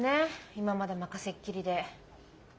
今まで任せっきりで。